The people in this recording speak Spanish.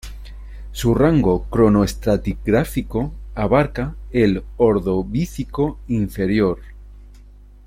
Su rango cronoestratigráfico abarca el Ordovícico inferior.